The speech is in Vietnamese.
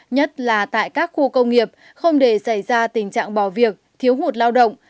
nhất là tại các khu công nghiệp không để xảy ra tình trạng bỏ việc thiếu hụt lao động